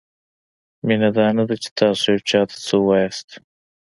مینه دا نه ده؛ چې تاسو یو چاته څه وایاست؛